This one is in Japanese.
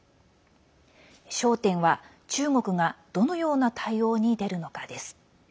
焦点は中国がどのような対応に出るのかです。